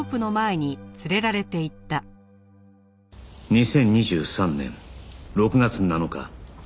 「２０２３年６月７日」